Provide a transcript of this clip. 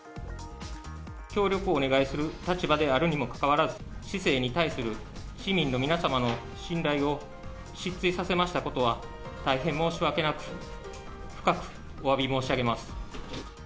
協力をお願いする立場であるにも関わらず、市政に関わる皆様の信頼を失墜させましたことは大変申し訳なく、深くおわび申し上げます。